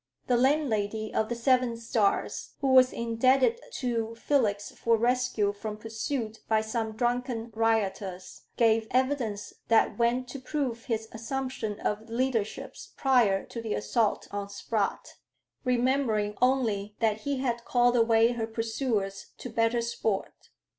The landlady of the Seven Stars, who was indebted to Felix for rescue from pursuit by some drunken rioters, gave evidence that went to prove his assumption of leadership prior to the assault on Spratt, remembering only that he had called away her pursuers to "better sport."